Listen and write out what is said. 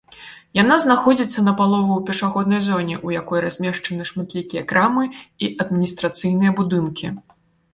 Яна знаходзіцца напалову ў пешаходнай зоне, у якой размешчаны шматлікія крамы і адміністрацыйныя будынкі.